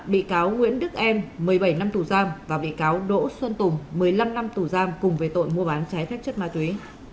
bị cáo nguyễn đức em một mươi bảy năm tù giam và bị cáo đỗ xuân tùng một mươi năm năm tù giam cùng về tội mua bán trái phép chất ma túy